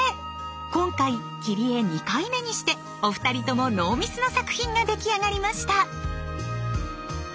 今回切り絵２回目にしてお二人ともノーミスの作品が出来上がりました。